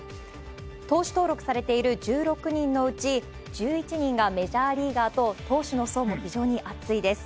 投手登録されている１６人のうち、１１人がメジャーリーガと、投手の層も非常に厚いです。